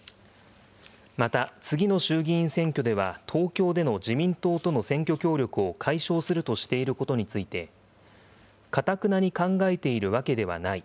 また、次の衆議院選挙では、東京での自民党との選挙協力を解消するとしていることについて、かたくなに考えているわけではない。